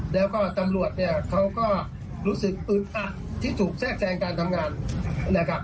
แล้วก็ตำรวจเนี่ยเขาก็รู้สึกอึดอัดที่ถูกแทรกแทรงการทำงานนะครับ